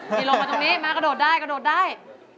ไม่ลงมาตรงนี้มากระโดดได้